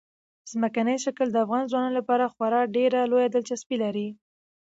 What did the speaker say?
ځمکنی شکل د افغان ځوانانو لپاره خورا ډېره لویه دلچسپي لري.